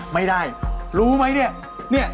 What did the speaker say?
ไม่ได้รู้ไหมเนี่ย